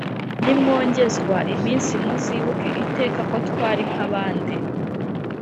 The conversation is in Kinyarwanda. Nimwongezwa iminsi Muzibuke iteka Ko twari nk’abandi!